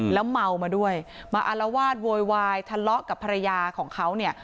แล้วเมามาด้วยมาอารวาสโวยวายทะเลาะกับภรรยาของเขาเนี่ย